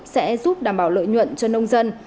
sẽ giúp đảm bảo lợi nhuận cho nông dân